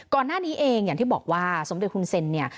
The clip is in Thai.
ก่อนหน้านี้เองอย่างที่บอกว่าสมเด็จฮุนเซ็นเนี่ย